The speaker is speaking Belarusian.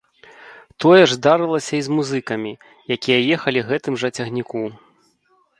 Тое ж здарылася і з музыкамі, якія ехалі гэтым жа цягніку.